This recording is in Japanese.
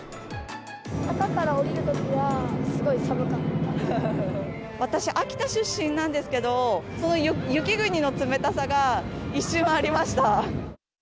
坂から降りるときが、すごい私、秋田出身なんですけど、その雪国の冷たさが一瞬ありました。